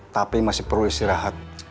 tapi masih perlu istirahat